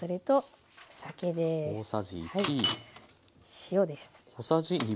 塩です。